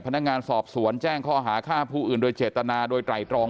พนักงานสอบสวนแจ้งข้อหาฆ่าผู้อื่นโดยเจตนาโดยไตรตรอง